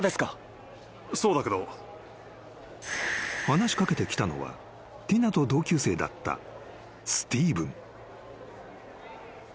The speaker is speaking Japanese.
［話し掛けてきたのはティナと同級生だったスティーブン］